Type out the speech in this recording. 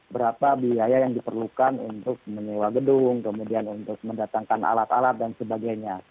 berapa biaya yang diperlukan untuk menyewa gedung kemudian untuk mendatangkan alat alat dan sebagainya